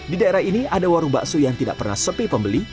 di daerah ini ada warung bakso yang tidak pernah sepi pembeli